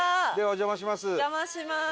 ではお邪魔します。